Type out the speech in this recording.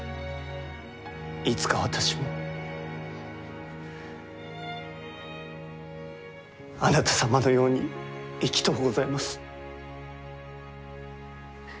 いつか私もあなた様のように生きとうございます。